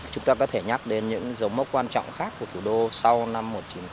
chúng ta có thể nhắc đến những dấu mốc quan trọng khác của thủ đô sau năm một nghìn chín trăm bảy mươi năm